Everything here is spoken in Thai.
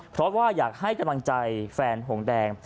เพราะว่าอยากให้กำลังใจแฟนหงแดง